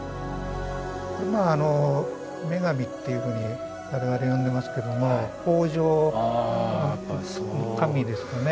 まあ女神っていうふうに我々呼んでますけども豊穣の神ですかね。